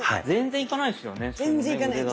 全然いかない全然。